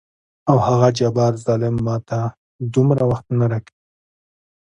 او هغه جبار ظلم ماته دومره وخت نه راکوي.